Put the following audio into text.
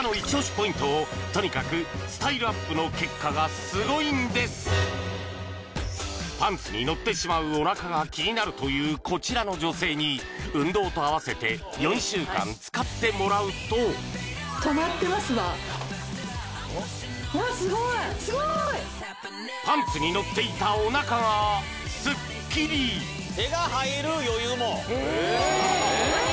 ポイントとにかくスタイルアップの結果がすごいんですパンツにのってしまうおなかが気になるというこちらの女性に運動とあわせて４週間使ってもらうとパンツにのっていたおなかがスッキリ手が入る余裕も・ええ・そんなに？